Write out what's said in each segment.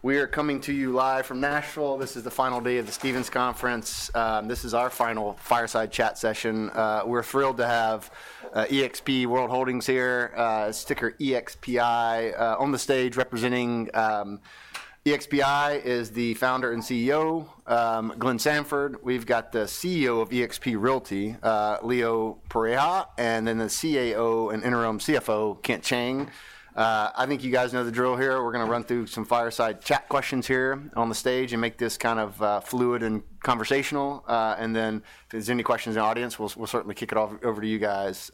We are coming to you live from Nashville. This is the final day of the Stephens Conference. This is our final Fireside Chat session. We're thrilled to have eXp World Holdings here, ticker EXPI, on the stage representing EXPI, the founder and CEO, Glenn Sanford. We've got the CEO of eXp Realty, Leo Pareja, and then the CAO and interim CFO, Kent Cheng. I think you guys know the drill here. We're going to run through some Fireside Chat questions here on the stage and make this kind of fluid and conversational, and then if there's any questions in the audience, we'll certainly kick it off over to you guys,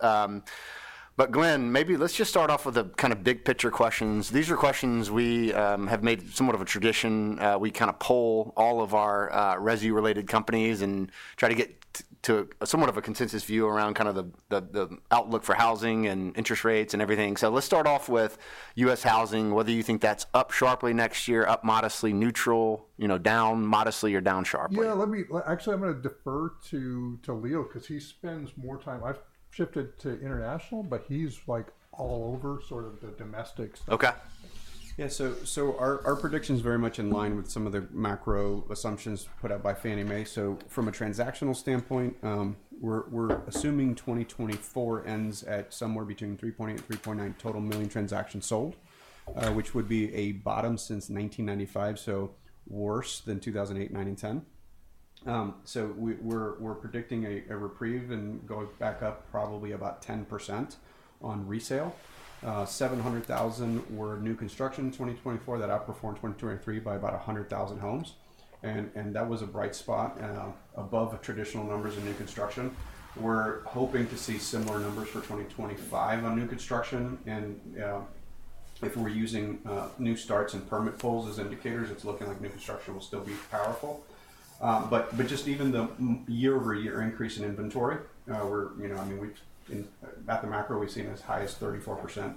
but Glenn, maybe let's just start off with the kind of big picture questions. These are questions we have made somewhat of a tradition. We kind of poll all of our real estate-related companies and try to get to somewhat of a consensus view around kind of the outlook for housing and interest rates and everything, so let's start off with U.S. housing, whether you think that's up sharply next year, up modestly, neutral, down modestly, or down sharply. Yeah, actually, I'm going to defer to Leo because he spends more time. I've shifted to international, but he's like all over sort of the domestic stuff. OK. Yeah, so our prediction is very much in line with some of the macro assumptions put out by Fannie Mae. So from a transactional standpoint, we're assuming 2024 ends at somewhere between 3.8 and 3.9 million total transactions sold, which would be a bottom since 1995, so worse than 2008, 2009, and 2010. So we're predicting a reprieve and going back up probably about 10% on resale. 700,000 were new construction in 2024 that outperformed 2023 by about 100,000 homes. And that was a bright spot above traditional numbers in new construction. We're hoping to see similar numbers for 2025 on new construction. And if we're using new starts and permit pulls as indicators, it's looking like new construction will still be powerful. But just even the year-over-year increase in inventory, I mean, at the macro, we've seen as high as 34%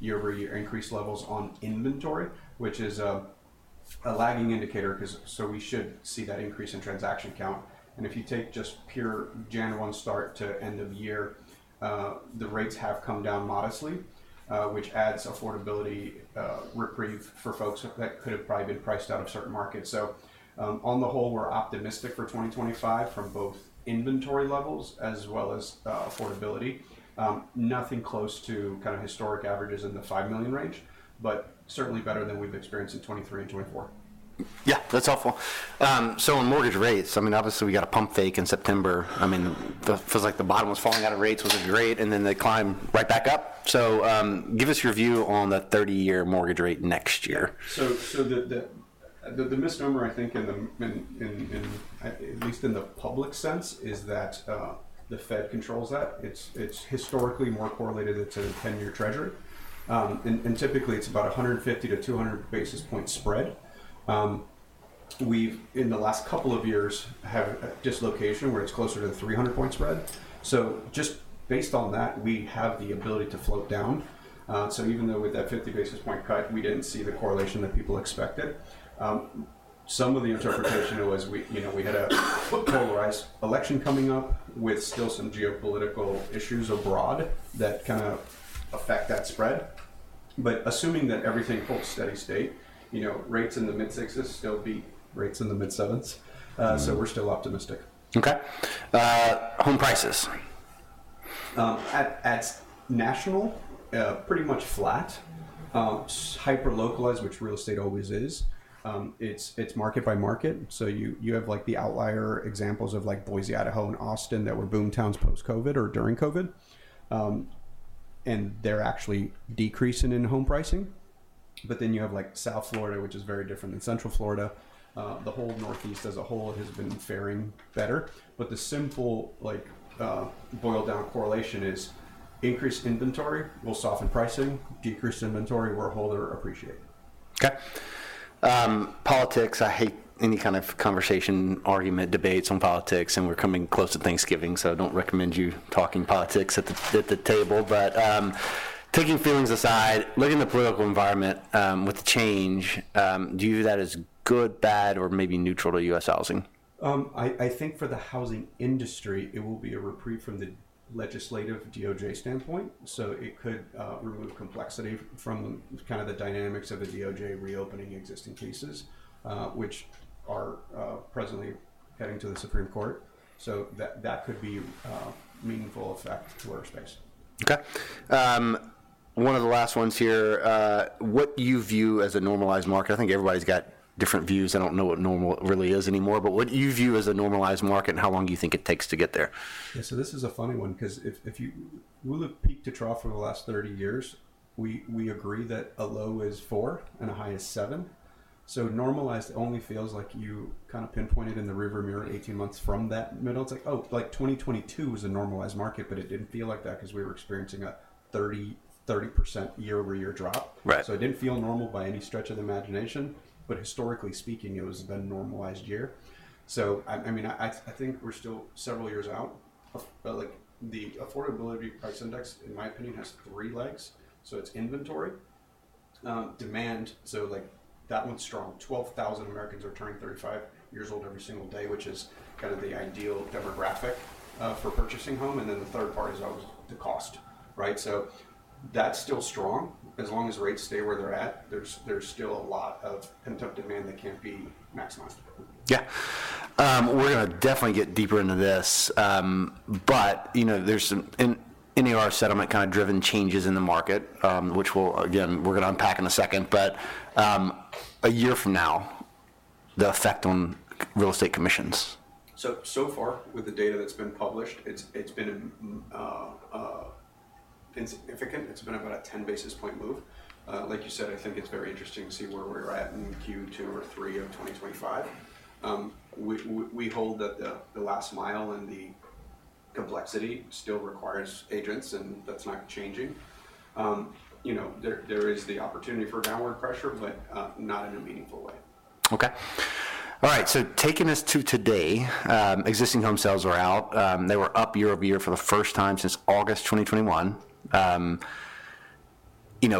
year-over-year increase levels on inventory, which is a lagging indicator. So we should see that increase in transaction count. And if you take just pure January start to end of year, the rates have come down modestly, which adds affordability reprieve for folks that could have probably been priced out of certain markets. So on the whole, we're optimistic for 2025 from both inventory levels as well as affordability. Nothing close to kind of historic averages in the 5 million range, but certainly better than we've experienced in 2023 and 2024. Yeah, that's helpful. So on mortgage rates, I mean, obviously, we got a pump fake in September. I mean, it feels like the bottom was falling out of rates was a great, and then they climbed right back up. So give us your view on the 30-year mortgage rate next year. So the misnomer, I think, at least in the public sense, is that the Fed controls that. It's historically more correlated to the 10-year Treasury. And typically, it's about 150-200 basis points spread. We, in the last couple of years, have a dislocation where it's closer to the 300-point spread. So just based on that, we have the ability to float down. So even though with that 50 basis point cut, we didn't see the correlation that people expected. Some of the interpretation was we had a polarized election coming up with still some geopolitical issues abroad that kind of affect that spread. But assuming that everything holds steady state, rates in the mid-sixes, still be rates in the mid-sevenths. So we're still optimistic. OK. Home prices. At national, pretty much flat. Hyper-localized, which real estate always is. It's market by market. So you have the outlier examples of Boise, Idaho, and Austin that were boom towns post-COVID or during COVID. And they're actually decreasing in home pricing. But then you have South Florida, which is very different than Central Florida. The whole Northeast as a whole has been faring better. But the simple boiled-down correlation is increased inventory will soften pricing. Decreased inventory will hold or appreciate. OK. Politics, I hate any kind of conversation, argument, debates on politics. And we're coming close to Thanksgiving, so I don't recommend you talking politics at the table. But taking feelings aside, looking at the political environment with the change, do you view that as good, bad, or maybe neutral to U.S. housing? I think for the housing industry, it will be a reprieve from the legislative DOJ standpoint. So it could remove complexity from kind of the dynamics of the DOJ reopening existing cases, which are presently heading to the Supreme Court. So that could be a meaningful effect to our space. OK. One of the last ones here, what you view as a normalized market? I think everybody's got different views. I don't know what normal really is anymore, but what you view as a normalized market and how long do you think it takes to get there? Yeah, so this is a funny one because if you look peak to trough from the last 30 years, we agree that a low is 4 and a high is 7. So normalized only feels like you kind of pinpointed in the rearview mirror 18 months from that middle. It's like, oh, like 2022 was a normalized market, but it didn't feel like that because we were experiencing a 30% year-over-year drop. So it didn't feel normal by any stretch of the imagination. But historically speaking, it has been a normalized year. So I mean, I think we're still several years out. The affordability price index, in my opinion, has three legs. So it's inventory, demand. So that one's strong. 12,000 Americans are turning 35 years old every single day, which is kind of the ideal demographic for purchasing home. And then the third part is always the cost. So that's still strong. As long as rates stay where they're at, there's still a lot of pent-up demand that can't be maximized. Yeah. We're going to definitely get deeper into this. But there's NAR settlement kind of driven changes in the market, which we'll, again, we're going to unpack in a second. But a year from now, the effect on real estate commissions. So far, with the data that's been published, it's been insignificant. It's been about a 10 basis point move. Like you said, I think it's very interesting to see where we're at in Q2 or 3 of 2025. We hold that the last mile and the complexity still requires agents, and that's not changing. There is the opportunity for downward pressure, but not in a meaningful way. OK. All right. Taking us to today, existing home sales are out. They were up year over year for the first time since August 2021.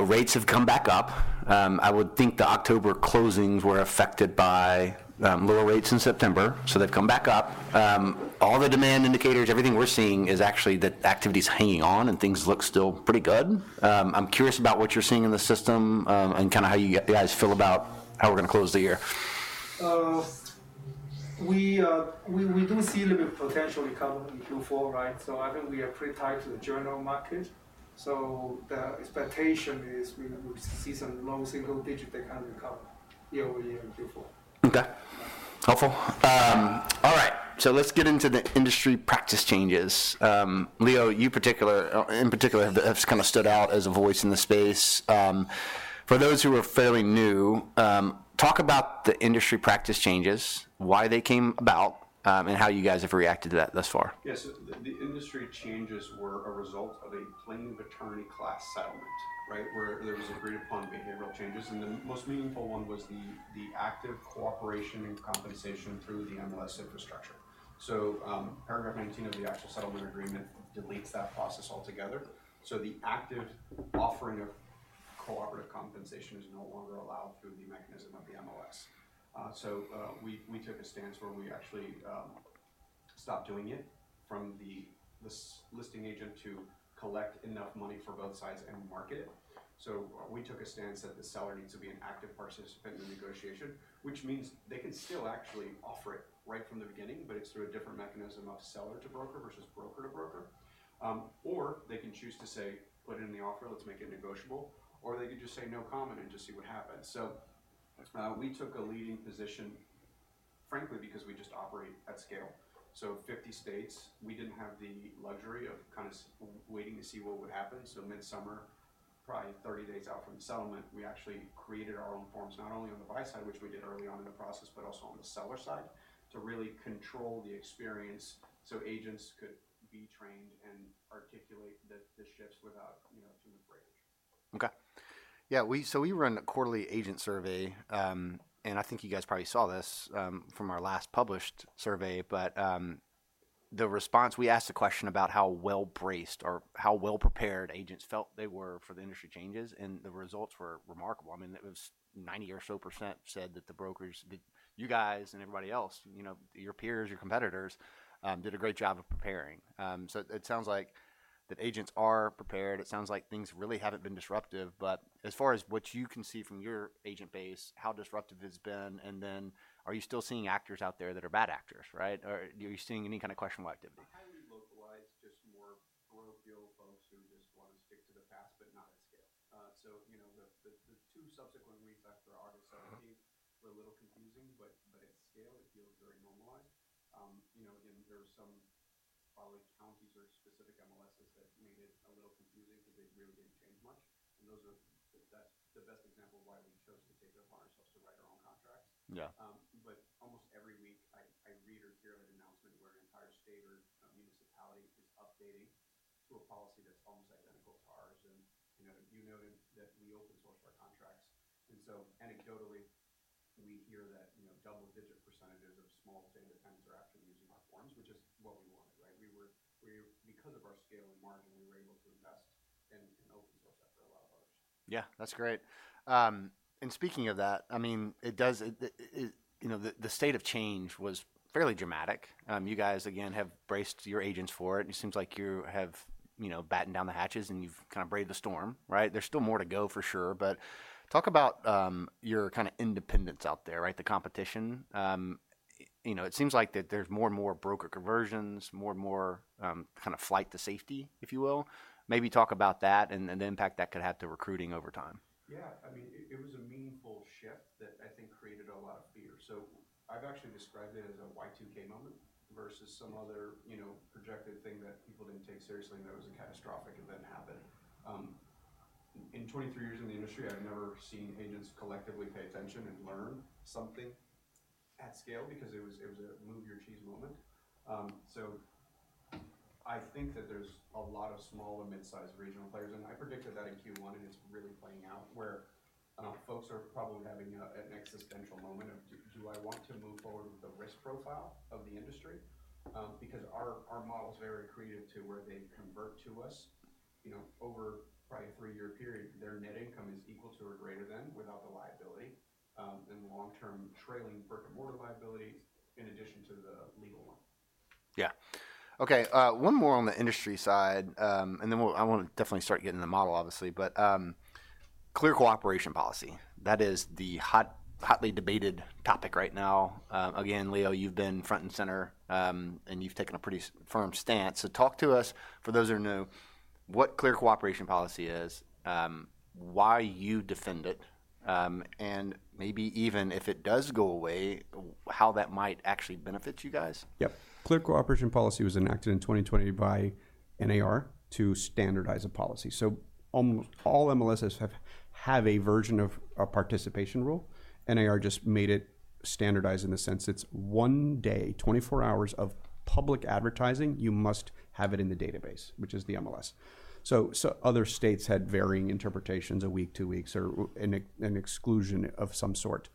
Rates have come back up. I would think the October closings were affected by lower rates in September. They've come back up. All the demand indicators, everything we're seeing is actually that activity is hanging on and things look still pretty good. I'm curious about what you're seeing in the system and kind of how you guys feel about how we're going to close the year. We do see a little bit of potential recovery in Q4, right? So I think we are pretty tied to the general market. So the expectation is we see some low single digit that kind of recover year over year in Q4. OK. Helpful. All right. So let's get into the industry practice changes. Leo, you in particular have kind of stood out as a voice in the space. For those who are fairly new, talk about the industry practice changes, why they came about, and how you guys have reacted to that thus far. Yeah, so the industry changes were a result of a plaintiff attorney class settlement, right, where there was agreed-upon behavioral changes. And the most meaningful one was the cooperative compensation through the MLS infrastructure. So Paragraph 19 of the actual settlement agreement deletes that process altogether. So the active offering of cooperative compensation is no longer allowed through the mechanism of the MLS. So we took a stance where we actually stopped doing it from the listing agent to collect enough money for both sides and market it. So we took a stance that the seller needs to be an active participant in the negotiation, which means they can still actually offer it right from the beginning, but it's through a different mechanism of seller to broker versus broker to broker. Or they can choose to say, put it in the offer, let's make it negotiable. Or they could just say no comment and just see what happens. So we took a leading position, frankly, because we just operate at scale. So 50 states, we didn't have the luxury of kind of waiting to see what would happen. So mid-summer, probably 30 days out from the settlement, we actually created our own forms, not only on the buy side, which we did early on in the process, but also on the seller side to really control the experience so agents could be trained and articulate the shifts without too much breakage. OK. Yeah, so we ran a quarterly agent survey, and I think you guys probably saw this from our last published survey, but the response, we asked a question about how well braced or how well prepared agents felt they were for the industry changes, and the results were remarkable. I mean, it was 90% or so said that the brokers, you guys and everybody else, your peers, your competitors, did a great job of preparing, so it sounds like that agents are prepared. It sounds like things really haven't been disruptive, but as far as what you can see from your agent base, how disruptive it's been, and then are you still seeing actors out there that are bad actors, right? Or are you seeing any kind of questionable activity? Highly localized, just more parochial folks who just want to stick to the past, but not at scale. So the two subsequent weeks after August 17 were a little confusing. But at scale, it feels very normalized. Again, there were some probably counties or specific MLSs that made it a little confusing because they really didn't change much. And that's the best example of why we chose to take it upon ourselves to write our own contracts. But almost every week, I read or hear that announcement where an entire state or municipality is updating to a policy that's almost identical to ours. And you noted that we open source our contracts. And so anecdotally, we hear that double-digit percentages of small state attendees are actually using our forms, which is what we wanted, right? Because of our scale and margin, we were able to invest and open source that for a lot of others. Yeah, that's great. And speaking of that, I mean, the state of change was fairly dramatic. You guys, again, have braced your agents for it. And it seems like you have battened down the hatches and you've kind of braved the storm, right? There's still more to go for sure. But talk about your kind of independence out there, right, the competition. It seems like that there's more and more broker conversions, more and more kind of flight to safety, if you will. Maybe talk about that and the impact that could have to recruiting over time. Yeah. I mean, it was a meaningful shift that I think created a lot of fear. So I've actually described it as a Y2K moment versus some other projected thing that people didn't take seriously and that was a catastrophic event happen. In 23 years in the industry, I've never seen agents collectively pay attention and learn something at scale because it was a move your cheese moment. So I think that there's a lot of small and mid-sized regional players, and I predicted that in Q1, and it's really playing out where folks are probably having an existential moment of, do I want to move forward with the risk profile of the industry? Because our model is very accretive to where they convert to us over probably a three-year period. Their net income is equal to or greater than without the liability and long-term trailing brick-and-mortar liability in addition to the legal one. Yeah. OK. One more on the industry side. And then I want to definitely start getting the model, obviously. But Clear Cooperation Policy. That is the hotly debated topic right now. Again, Leo, you've been front and center, and you've taken a pretty firm stance. So talk to us, for those who are new, what Clear Cooperation Policy is, why you defend it, and maybe even if it does go away, how that might actually benefit you guys. Yep. Clear Cooperation Policy was enacted in 2020 by NAR to standardize a policy. So almost all MLSs have a version of a participation rule. NAR just made it standardized in the sense it's one day, 24 hours of public advertising. You must have it in the database, which is the MLS. So other states had varying interpretations a week, two weeks, or an exclusion of some sort.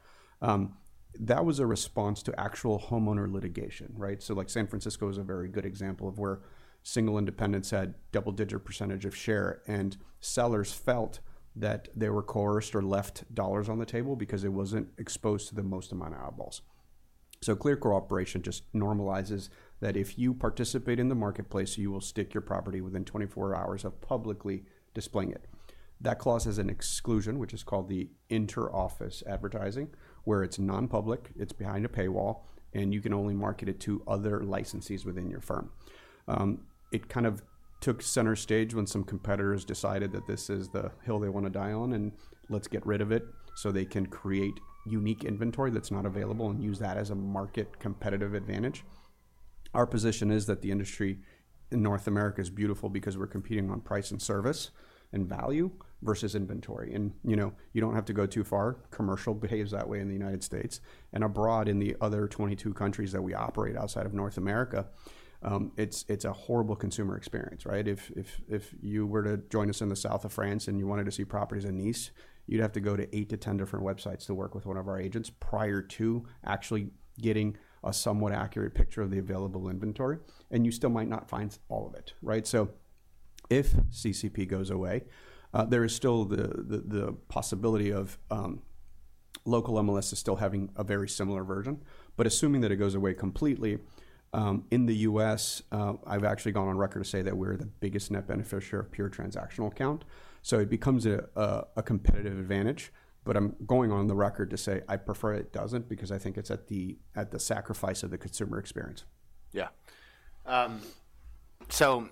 That was a response to actual homeowner litigation, right? So like San Francisco is a very good example of where single independents had double-digit % of share. And sellers felt that they were coerced or left dollars on the table because it wasn't exposed to the most amount of eyeballs. So Clear Cooperation just normalizes that if you participate in the marketplace, you will stick your property within 24 hours of publicly displaying it. That clause has an exclusion, which is called the inter-office advertising, where it's non-public, it's behind a paywall, and you can only market it to other licensees within your firm. It kind of took center stage when some competitors decided that this is the hill they want to die on, and let's get rid of it so they can create unique inventory that's not available and use that as a market competitive advantage. Our position is that the industry in North America is beautiful because we're competing on price and service and value versus inventory. And you don't have to go too far. Commercial behaves that way in the United States. And abroad, in the other 22 countries that we operate outside of North America, it's a horrible consumer experience, right? If you were to join us in the south of France and you wanted to see properties in Nice, you'd have to go to eight to 10 different websites to work with one of our agents prior to actually getting a somewhat accurate picture of the available inventory. And you still might not find all of it, right? So if CCP goes away, there is still the possibility of local MLSs still having a very similar version. But assuming that it goes away completely, in the U.S., I've actually gone on record to say that we're the biggest net beneficiary of pure transactional account. So it becomes a competitive advantage. But I'm going on the record to say I prefer it doesn't because I think it's at the sacrifice of the consumer experience. Yeah. So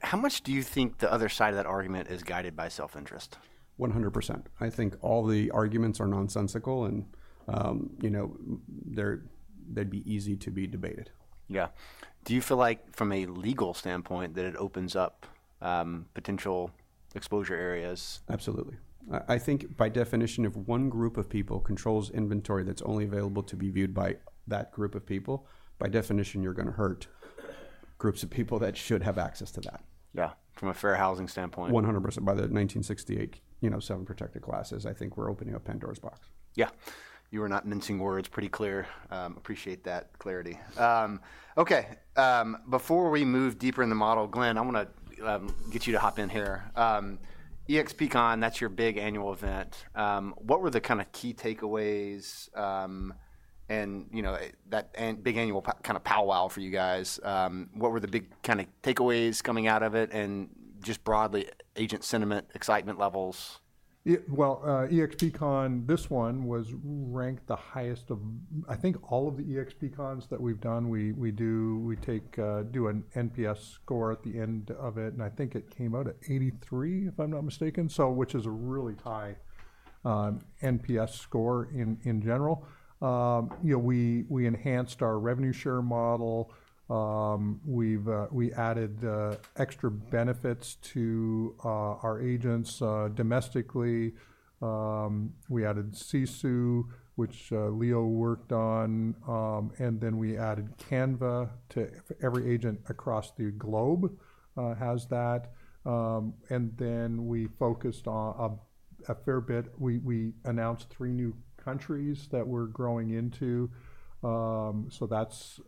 how much do you think the other side of that argument is guided by self-interest? 100%. I think all the arguments are nonsensical, and they'd be easy to be debated. Yeah. Do you feel like from a legal standpoint that it opens up potential exposure areas? Absolutely. I think by definition, if one group of people controls inventory that's only available to be viewed by that group of people, by definition, you're going to hurt groups of people that should have access to that. Yeah, from a fair housing standpoint. 100%. By the 1968 seven protected classes, I think we're opening up Pandora's box. Yeah. You were not mincing words. Pretty clear. Appreciate that clarity. OK. Before we move deeper in the model, Glenn, I want to get you to hop in here. eXpCON, that's your big annual event. What were the kind of key takeaways and big annual kind of powwow for you guys? What were the big kind of takeaways coming out of it? And just broadly, agent sentiment, excitement levels. eXpCON, this one was ranked the highest of, I think, all of the eXpCONs that we've done. We take an NPS score at the end of it. And I think it came out at 83, if I'm not mistaken, which is a really high NPS score in general. We enhanced our revenue share model. We added extra benefits to our agents domestically. We added, which Leo worked on. And then we added Canva to every agent across the globe has that. And then we focused a fair bit. We announced three new countries that we're growing into. So that's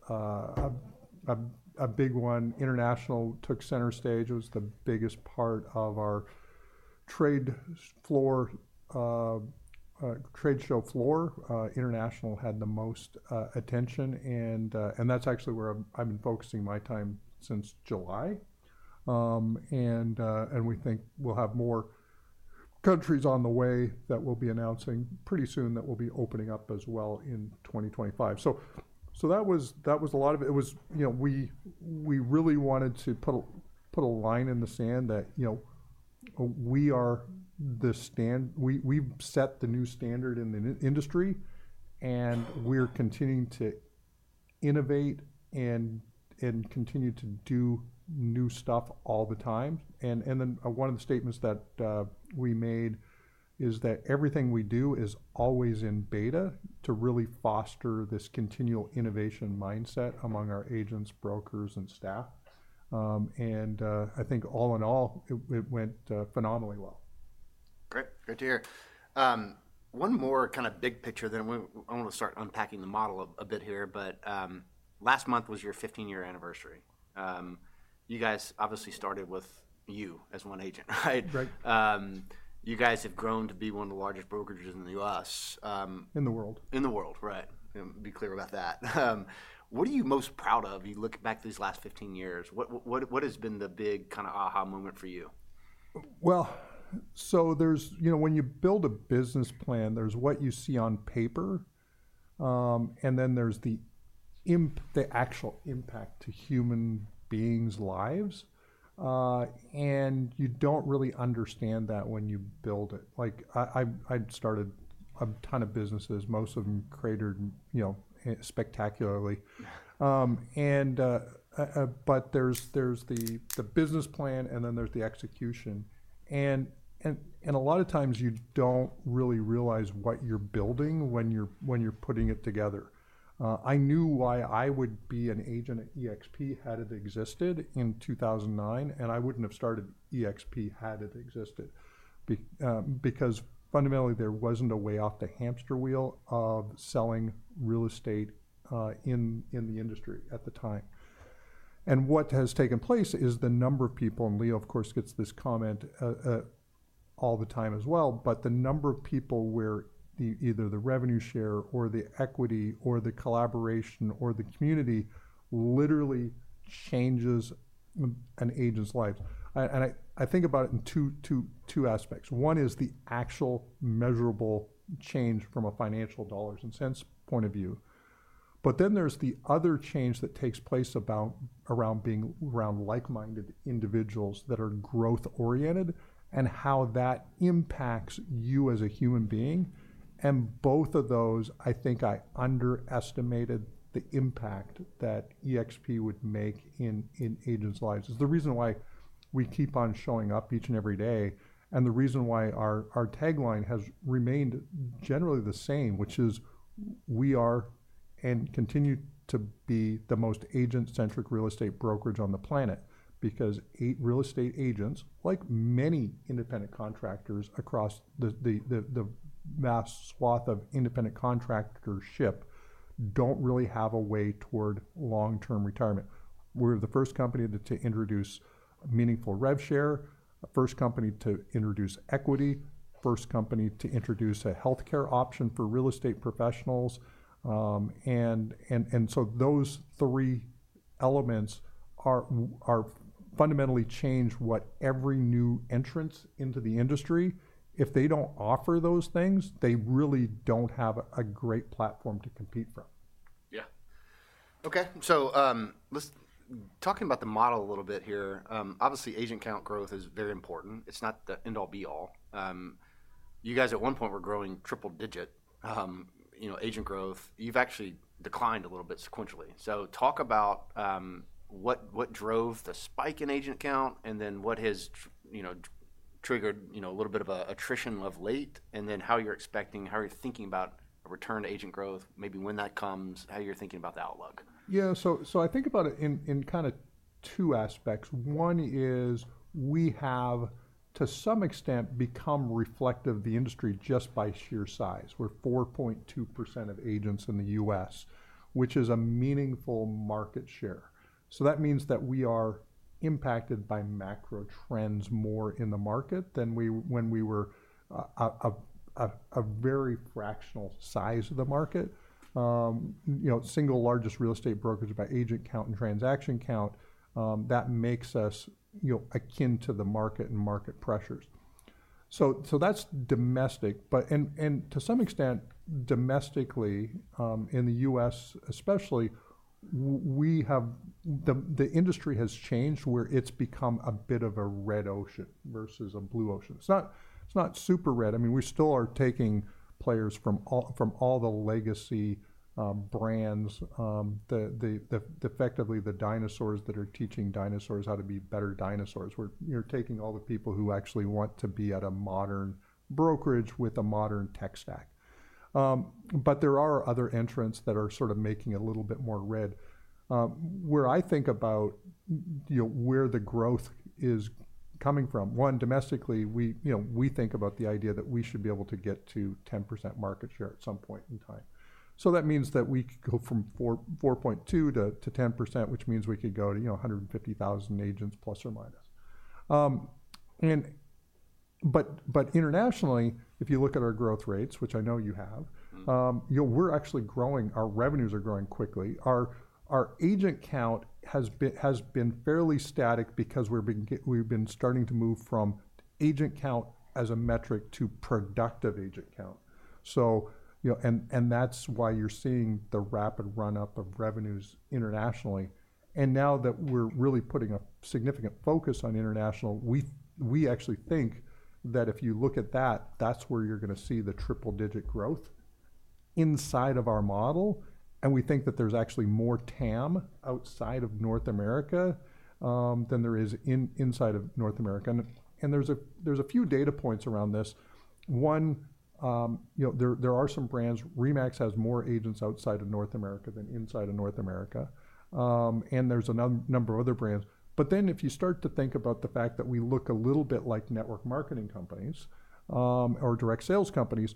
a big one. International took center stage. It was the biggest part of our trade floor, trade show floor. International had the most attention. And that's actually where I've been focusing my time since July. We think we'll have more countries on the way that we'll be announcing pretty soon that we'll be opening up as well in 2025. So that was a lot of it. We really wanted to put a line in the sand that we are the standard we've set the new standard in the industry. We're continuing to innovate and continue to do new stuff all the time. Then one of the statements that we made is that everything we do is always in beta to really foster this continual innovation mindset among our agents, brokers, and staff. I think all in all, it went phenomenally well. Great. Good to hear. One more kind of big picture. Then I want to start unpacking the model a bit here. But last month was your 15-year anniversary. You guys obviously started with you as one agent, right? Right. You guys have grown to be one of the largest brokerages in the U.S. In the world. In the world, right. Be clear about that. What are you most proud of? You look back these last 15 years. What has been the big kind of aha moment for you? Well, so when you build a business plan, there's what you see on paper. And then there's the actual impact to human beings' lives. And you don't really understand that when you build it. I started a ton of businesses, most of them cratered spectacularly. But there's the business plan, and then there's the execution. And a lot of times, you don't really realize what you're building when you're putting it together. I knew why I would be an agent at EXP had it existed in 2009. And I wouldn't have started EXP had it existed because fundamentally, there wasn't a way off the hamster wheel of selling real estate in the industry at the time. And what has taken place is the number of people, and Leo, of course, gets this comment all the time as well, but the number of people where either the revenue share or the equity or the collaboration or the community literally changes an agent's life. And I think about it in two aspects. One is the actual measurable change from a financial dollars and cents point of view. But then there's the other change that takes place around being around like-minded individuals that are growth-oriented and how that impacts you as a human being. And both of those, I think I underestimated the impact that eXp would make in agents' lives. It's the reason why we keep on showing up each and every day and the reason why our tagline has remained generally the same, which is we are and continue to be the most agent-centric real estate brokerage on the planet because 80% of real estate agents, like many independent contractors across the vast swath of independent contractorship, don't really have a way toward long-term retirement. We're the first company to introduce meaningful rev share, first company to introduce equity, first company to introduce a health care option for real estate professionals, and so those three elements fundamentally change what every new entrant into the industry. If they don't offer those things, they really don't have a great platform to compete from. Yeah. OK. So talking about the model a little bit here, obviously, agent count growth is very important. It's not the end-all, be-all. You guys at one point were growing triple-digit agent growth. You've actually declined a little bit sequentially. So talk about what drove the spike in agent count and then what has triggered a little bit of attrition of late, and then how you're expecting, how you're thinking about return to agent growth, maybe when that comes, how you're thinking about the outlook? Yeah. So I think about it in kind of two aspects. One is we have, to some extent, become reflective of the industry just by sheer size. We're 4.2% of agents in the U.S., which is a meaningful market share. So that means that we are impacted by macro trends more in the market than when we were a very fractional size of the market. Single largest real estate brokerage by agent count and transaction count, that makes us akin to the market and market pressures. So that's domestic. And to some extent, domestically in the U.S. especially, the industry has changed where it's become a bit of a red ocean versus a blue ocean. It's not super red. I mean, we still are taking players from all the legacy brands, effectively the dinosaurs that are teaching dinosaurs how to be better dinosaurs. We're taking all the people who actually want to be at a modern brokerage with a modern tech stack. But there are other entrants that are sort of making it a little bit more red. Where I think about where the growth is coming from, one, domestically, we think about the idea that we should be able to get to 10% market share at some point in time. So that means that we could go from 4.2%-10%, which means we could go to 150,000 agents plus or minus. But internationally, if you look at our growth rates, which I know you have, we're actually growing. Our revenues are growing quickly. Our agent count has been fairly static because we've been starting to move from agent count as a metric to productive agent count. And that's why you're seeing the rapid run-up of revenues internationally. Now that we're really putting a significant focus on international, we actually think that if you look at that, that's where you're going to see the triple-digit growth inside of our model. We think that there's actually more TAM outside of North America than there is inside of North America. There's a few data points around this. One, there are some brands. RE/MAX has more agents outside of North America than inside of North America. There's a number of other brands. But then if you start to think about the fact that we look a little bit like network marketing companies or direct sales companies,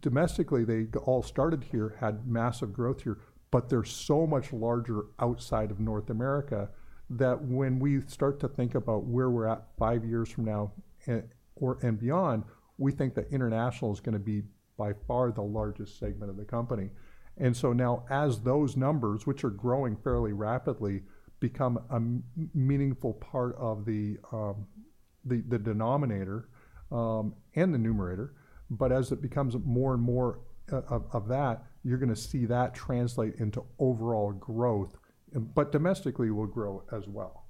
domestically, they all started here, had massive growth here. But they're so much larger outside of North America that when we start to think about where we're at five years from now and beyond, we think that international is going to be by far the largest segment of the company. And so now, as those numbers, which are growing fairly rapidly, become a meaningful part of the denominator and the numerator, but as it becomes more and more of that, you're going to see that translate into overall growth. But domestically, we'll grow as well.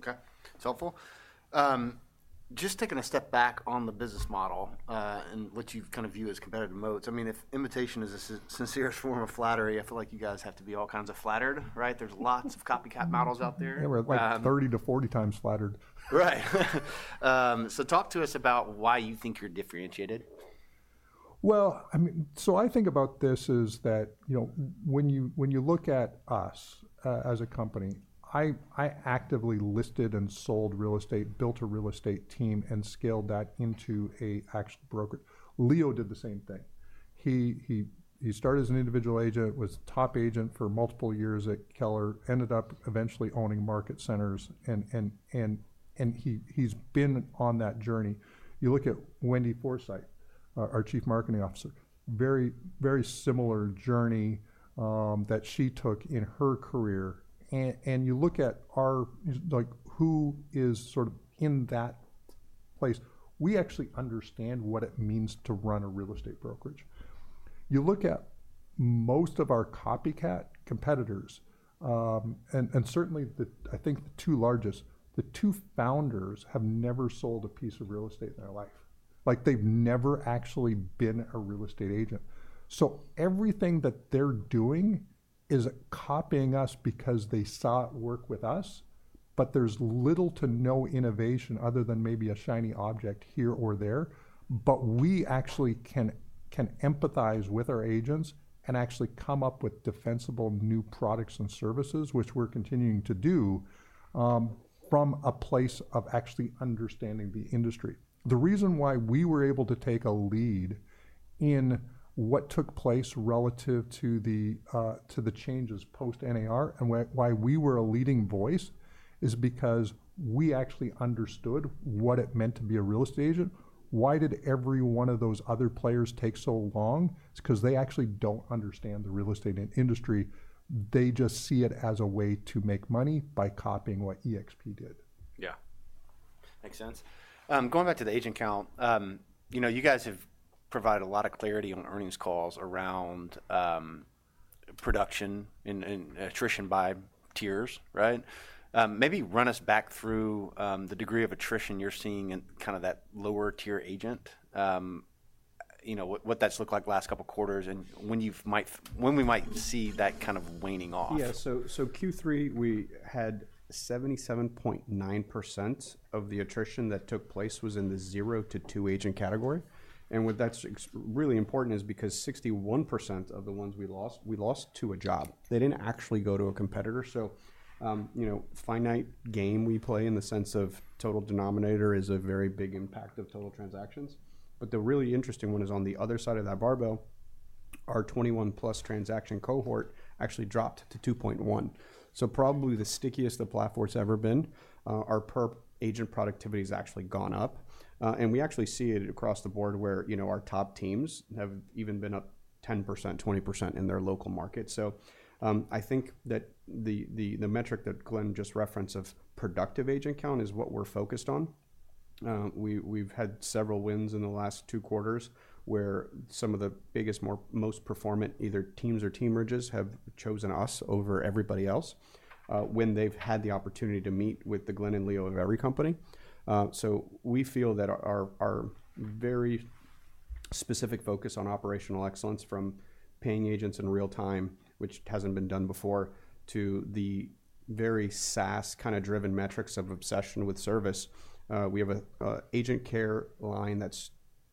OK. It's helpful. Just taking a step back on the business model and what you kind of view as competitive moats. I mean, if imitation is a sincerest form of flattery, I feel like you guys have to be all kinds of flattered, right? There's lots of copycat models out there. Yeah. We're like 30-40 times flattered. Right. So talk to us about why you think you're differentiated. Well, so I think about this is that when you look at us as a company, I actively listed and sold real estate, built a real estate team, and scaled that into an actual brokerage. Leo did the same thing. He started as an individual agent, was a top agent for multiple years at Keller, ended up eventually owning market centers, and he's been on that journey. You look at Wendy Forsythe, our Chief Marketing Officer, very similar journey that she took in her career, and you look at who is sort of in that place. We actually understand what it means to run a real estate brokerage. You look at most of our copycat competitors, and certainly, I think the two largest, the two founders have never sold a piece of real estate in their life. They've never actually been a real estate agent. Everything that they're doing is copying us because they saw it work with us. There's little to no innovation other than maybe a shiny object here or there. We actually can empathize with our agents and actually come up with defensible new products and services, which we're continuing to do from a place of actually understanding the industry. The reason why we were able to take a lead in what took place relative to the changes post-NAR and why we were a leading voice is because we actually understood what it meant to be a real estate agent. Why did every one of those other players take so long? It's because they actually don't understand the real estate industry. They just see it as a way to make money by copying what eXp did. Yeah. Makes sense. Going back to the agent count, you guys have provided a lot of clarity on earnings calls around production and attrition by tiers, right? Maybe run us back through the degree of attrition you're seeing in kind of that lower-tier agent, what that's looked like the last couple of quarters, and when we might see that kind of waning off. Yeah. So Q3, we had 77.9% of the attrition that took place was in the zero to two agent category. And what that's really important is because 61% of the ones we lost, we lost to a job. They didn't actually go to a competitor. So finite game we play in the sense of total denominator is a very big impact of total transactions. But the really interesting one is on the other side of that barbell, our 21-plus transaction cohort actually dropped to 2.1. So probably the stickiest the platform's ever been. Our per agent productivity has actually gone up. And we actually see it across the board where our top teams have even been up 10%, 20% in their local market. So I think that the metric that Glenn just referenced of productive agent count is what we're focused on. We've had several wins in the last two quarters where some of the biggest, most performant either teams or team merges have chosen us over everybody else when they've had the opportunity to meet with the Glenn and Leo of every company. So we feel that our very specific focus on operational excellence from paying agents in real time, which hasn't been done before, to the very SaaS kind of driven metrics of obsession with service. We have an agent care line that's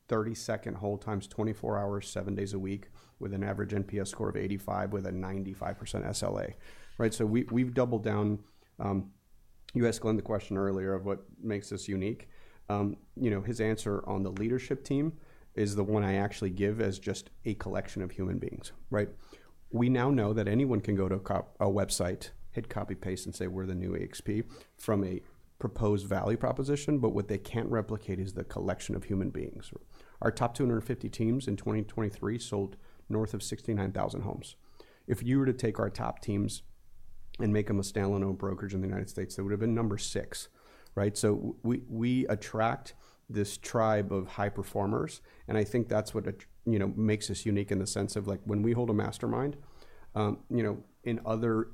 30-second hold times 24 hours, seven days a week, with an average NPS score of 85 with a 95% SLA. So we've doubled down. You asked Glenn the question earlier of what makes us unique. His answer on the leadership team is the one I actually give as just a collection of human beings. We now know that anyone can go to a website, hit copy, paste, and say, "We're the new eXp" from a proposed value proposition. But what they can't replicate is the collection of human beings. Our top 250 teams in 2023 sold north of 69,000 homes. If you were to take our top teams and make them a standalone brokerage in the United States, they would have been number six. So we attract this tribe of high performers. And I think that's what makes us unique in the sense of when we hold a mastermind in other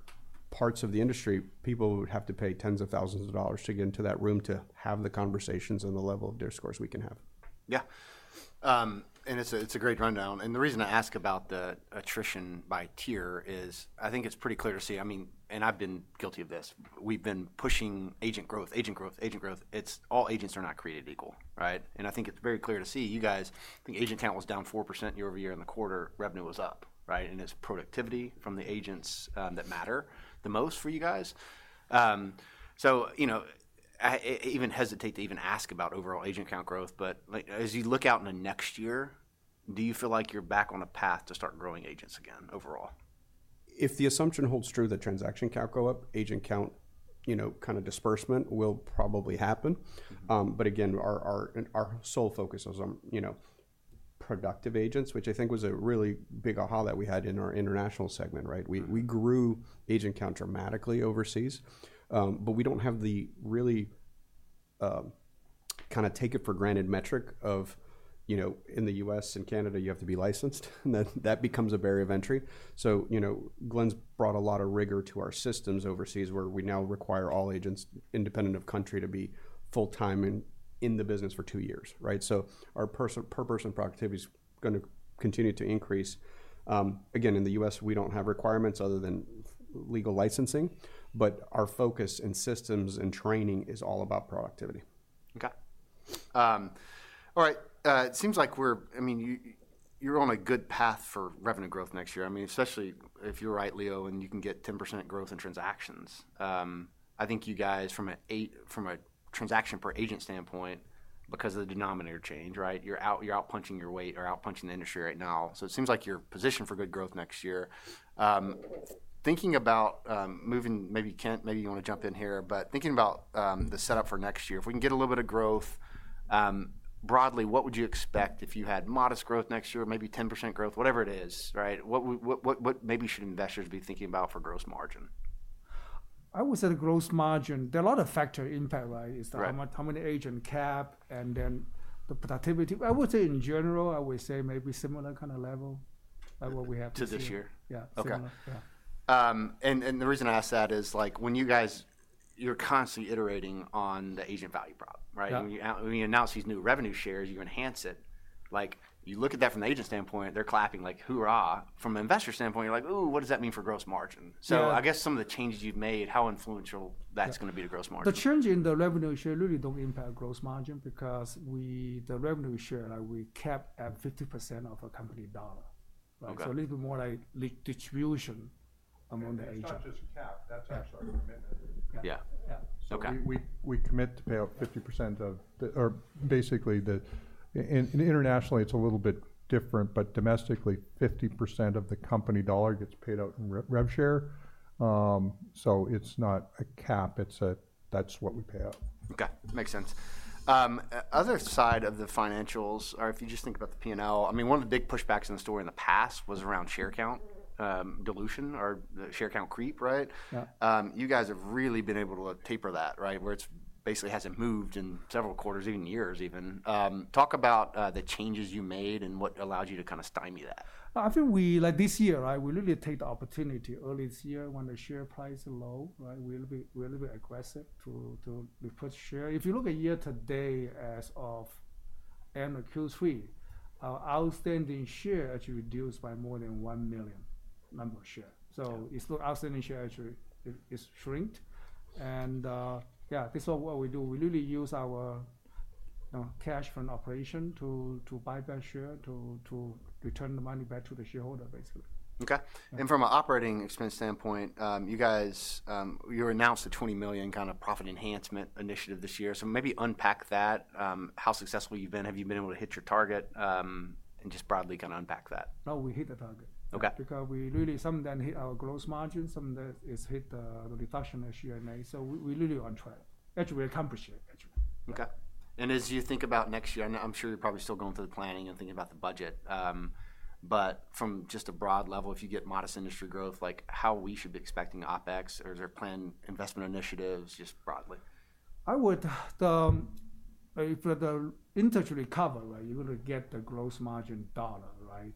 parts of the industry, people would have to pay tens of thousands of dollars to get into that room to have the conversations and the level of their scores we can have. Yeah. And it's a great rundown. And the reason I ask about the attrition by tier is I think it's pretty clear to see. I mean, and I've been guilty of this. We've been pushing agent growth, agent growth, agent growth. It's all agents are not created equal. And I think it's very clear to see you guys. I think agent count was down 4% year over year, and the quarter revenue was up. And it's productivity from the agents that matter the most for you guys. So I even hesitate to even ask about overall agent count growth. But as you look out in the next year, do you feel like you're back on a path to start growing agents again overall? If the assumption holds true that transaction count go up, agent count kind of disbursement will probably happen. But again, our sole focus is on productive agents, which I think was a really big aha that we had in our international segment. We grew agent count dramatically overseas. But we don't have the really kind of take-it-for-granted metric of, in the US and Canada, you have to be licensed. That becomes a barrier of entry. So Glenn's brought a lot of rigor to our systems overseas, where we now require all agents, independent of country, to be full-time and in the business for two years. So our per-person productivity is going to continue to increase. Again, in the US, we don't have requirements other than legal licensing. But our focus in systems and training is all about productivity. OK. All right. It seems like we're I mean, you're on a good path for revenue growth next year, I mean, especially if you're right, Leo, and you can get 10% growth in transactions. I think you guys, from a transaction per agent standpoint, because of the denominator change, you're out punching your weight or out punching the industry right now. So it seems like you're positioned for good growth next year. Thinking about moving maybe you want to jump in here. But thinking about the setup for next year, if we can get a little bit of growth, broadly, what would you expect if you had modest growth next year, maybe 10% growth, whatever it is? What maybe should investors be thinking about for gross margin? I would say the gross margin, there are a lot of factors, impact, right? It's how many agent cap and then the productivity. I would say in general, I would say maybe similar kind of level like what we have to see. To this year? Yeah. Similar. Yeah. The reason I ask that is when you guys, you're constantly iterating on the agent value problem. When you announce these new revenue shares, you enhance it. You look at that from the agent standpoint, they're clapping like, "Who are?" From an investor standpoint, you're like, "Ooh, what does that mean for gross margin?" I guess some of the changes you've made, how influential that's going to be to gross margin? The change in the revenue share really don't impact gross margin because the revenue share, we cap at 50% of a company dollar. So a little bit more like distribution among the agents. It's not just a cap. That's actually a commitment. Yeah. Yeah. So we commit to pay out 50% of basically, internationally, it's a little bit different. But domestically, 50% of the company dollar gets paid out in rev share. So it's not a cap. That's what we pay out. OK. Makes sense. Other side of the financials, or if you just think about the P&L, I mean, one of the big pushbacks in the story in the past was around share count dilution or share count creep, right? You guys have really been able to taper that, where it basically hasn't moved in several quarters, even years, even. Talk about the changes you made and what allowed you to kind of stymie that. I think this year, we really take the opportunity early this year when the share price is low. We're a little bit aggressive to be first share. If you look at year to date as of end of Q3, our outstanding share actually reduced by more than one million number of shares. So it's outstanding share actually is shrunk. And yeah, this is what we do. We really use our cash from operation to buy back share, to return the money back to the shareholder, basically. OK. From an operating expense standpoint, you guys announced a $20 million kind of profit enhancement initiative this year. Maybe unpack that. How successful have you been? Have you been able to hit your target? Just broadly kind of unpack that. No, we hit the target. OK. Because we really sometimes hit our gross margin. Sometimes it's hit the reduction this year and next. So we really on track. Actually, we accomplished it, actually. OK. And as you think about next year, I'm sure you're probably still going through the planning and thinking about the budget. But from just a broad level, if you get modest industry growth, how we should be expecting OpEx or their planned investment initiatives just broadly? I would say for the industry recovery, you're going to get the gross margin dollar.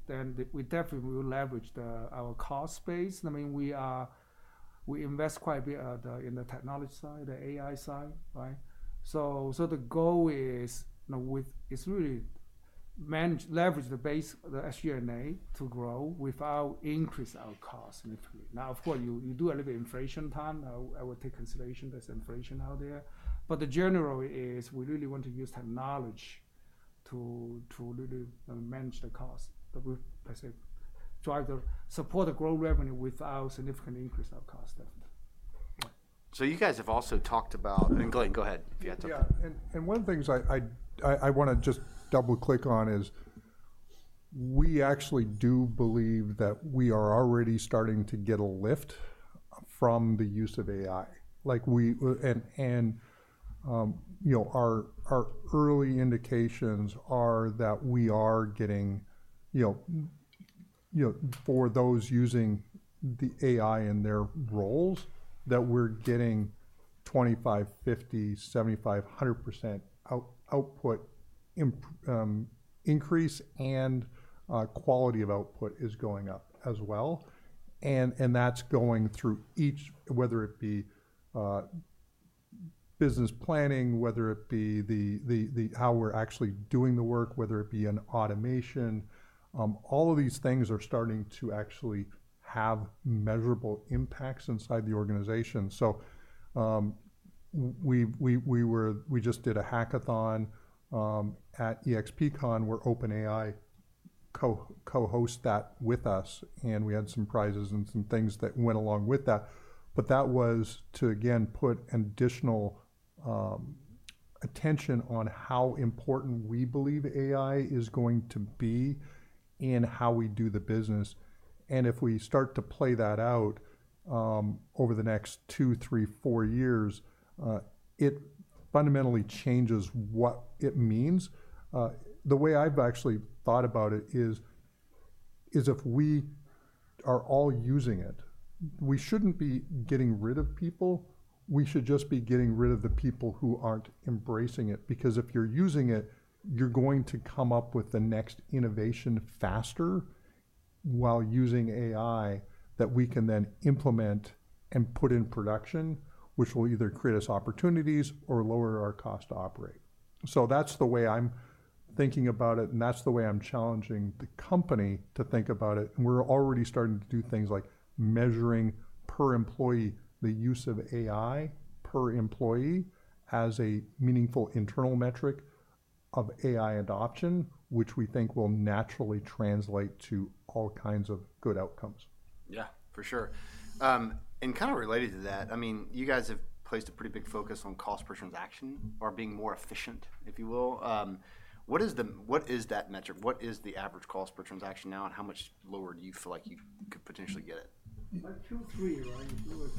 Then we definitely will leverage our cost base. I mean, we invest quite a bit in the technology side, the AI side. So the goal is really leverage the base SG&A to grow without increasing our costs initially. Now, of course, you do a little bit of inflation time. I would take consideration there's inflation out there. But the general is we really want to use technology to really manage the cost. Drive the support of growth revenue without significant increase of cost, definitely. So you guys have also talked about, and Glenn, go ahead if you had something. Yeah. And one of the things I want to just double-click on is we actually do believe that we are already starting to get a lift from the use of AI. And our early indications are that we are getting, for those using the AI in their roles, that we're getting 25%, 50%, 75%, 100% output increase. And quality of output is going up as well. And that's going through each, whether it be business planning, whether it be how we're actually doing the work, whether it be in automation. All of these things are starting to actually have measurable impacts inside the organization. So we just did a hackathon at eXpCON where OpenAI co-hosts that with us. And we had some prizes and some things that went along with that. But that was to, again, put additional attention on how important we believe AI is going to be in how we do the business. And if we start to play that out over the next two, three, four years, it fundamentally changes what it means. The way I've actually thought about it is if we are all using it, we shouldn't be getting rid of people. We should just be getting rid of the people who aren't embracing it. Because if you're using it, you're going to come up with the next innovation faster while using AI that we can then implement and put in production, which will either create us opportunities or lower our cost to operate. So that's the way I'm thinking about it. And that's the way I'm challenging the company to think about it. We're already starting to do things like measuring per employee the use of AI per employee as a meaningful internal metric of AI adoption, which we think will naturally translate to all kinds of good outcomes. Yeah, for sure. And kind of related to that, I mean, you guys have placed a pretty big focus on cost per transaction or being more efficient, if you will. What is that metric? What is the average cost per transaction now? And how much lower do you feel like you could potentially get it? Like Q3, right?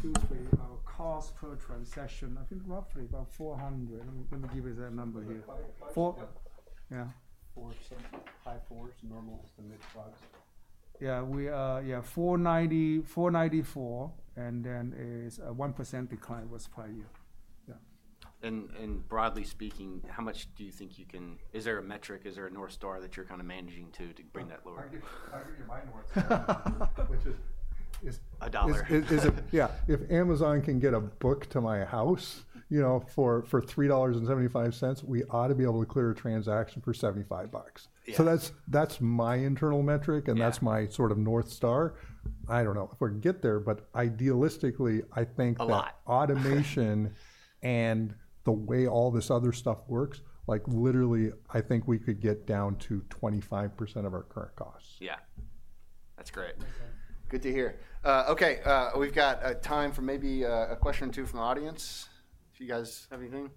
Q3, our cost per transaction, I think roughly about $400. Let me give you that number here. 4? Yeah. Four or something. High 4s normal is the mid-price. Yeah. Yeah, 494. And then it's a 1% decline was per year. Yeah. Broadly speaking, how much do you think you can? Is there a metric? Is there a North Star that you're kind of managing to bring that lower? I give you my North Star, which is. A dollar. Yeah. If Amazon can get a book to my house for $3.75, we ought to be able to clear a transaction for $75. So that's my internal metric. And that's my sort of North Star. I don't know if we're going to get there. But idealistically, I think that automation and the way all this other stuff works, literally, I think we could get down to 25% of our current costs. Yeah. That's great. Good to hear. OK. We've got time for maybe a question or two from the audience if you guys have anything.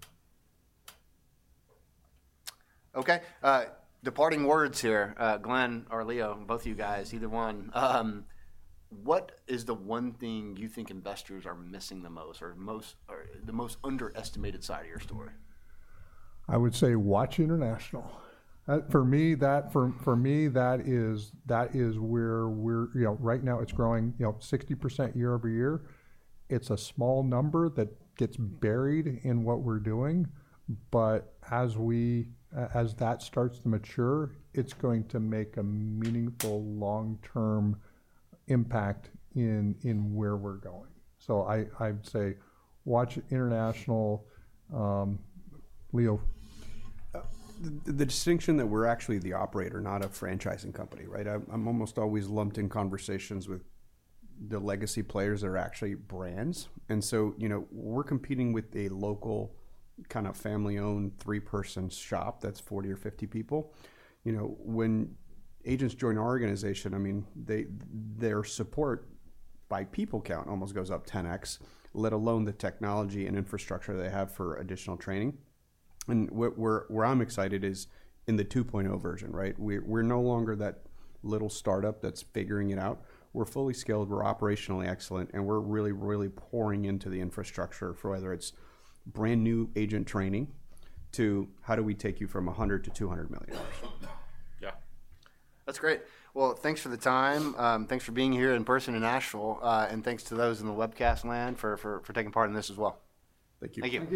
OK. Parting words here, Glenn or Leo, both of you guys, either one. What is the one thing you think investors are missing the most or the most underestimated side of your story? I would say watch international. For me, that is where we're right now, it's growing 60% year over year. It's a small number that gets buried in what we're doing. But as that starts to mature, it's going to make a meaningful long-term impact in where we're going. So I'd say watch international. Leo? The distinction that we're actually the operator, not a franchising company, right? I'm almost always lumped in conversations with the legacy players that are actually brands. And so we're competing with a local kind of family-owned three-person shop that's 40 or 50 people. When agents join our organization, I mean, their support by people count almost goes up 10x, let alone the technology and infrastructure they have for additional training. And where I'm excited is in the 2.0 version. We're no longer that little startup that's figuring it out. We're fully skilled. We're operationally excellent. And we're really, really pouring into the infrastructure for whether it's brand new agent training to how do we take you from $100 million-$200 million. Yeah. That's great. Well, thanks for the time. Thanks for being here in person in Nashville, and thanks to those in the webcast land for taking part in this as well. Thank you. Thank you.